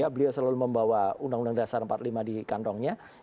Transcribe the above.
beliau selalu membawa undang undang dasar empat puluh lima di kantongnya